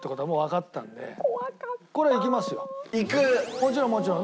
もちろんもちろん。